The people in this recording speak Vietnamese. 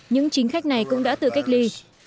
những chính khách này cũng đã tự cách ly